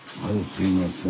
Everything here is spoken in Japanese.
すいません。